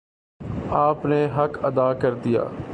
آپ نے حق ادا کر دیا